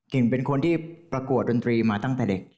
เป็นคนที่ประกวดดนตรีมาตั้งแต่เด็ก